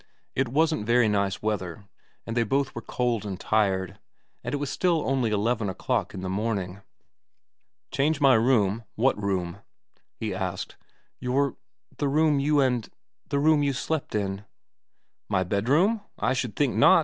It wasn't very nice weather, and they both were cold and tired, and it was still only eleven o'clock in the morning. ' Change my room ? What room ?' he asked. ' Your the room you and the room you slept in.' ' My bedroom ? I should think not.